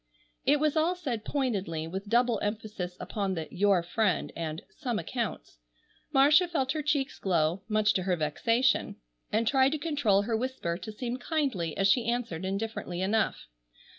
It was all said pointedly, with double emphasis upon the "your friend," and "some accounts." Marcia felt her cheeks glow, much to her vexation, and tried to control her whisper to seem kindly as she answered indifferently enough.